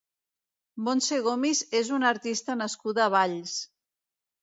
Montse Gomis és una artista nascuda a Valls.